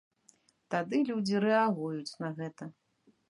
Тады людзі рэагуюць на гэта.